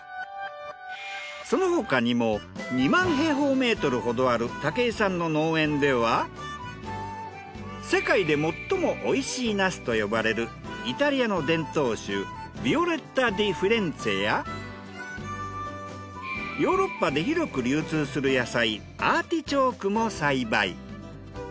その他にも２万平方ｍほどある武井さんの農園では世界で最も美味しいナスと呼ばれるイタリアの伝統種ヴィオレッタ・ディ・フィレンツェやヨーロッパで広く流通する野菜アーティチョークも栽培。